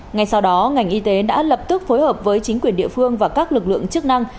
ngay sau đó ngành y tế đã lập tức phối hợp với chính quyền địa phương và các lực lượng chức năng